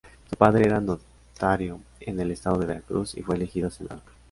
Su padre era notario en el estado de Veracruz y fue elegido senador.